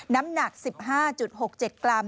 น้ำหนัก๑๕๖๗กรัม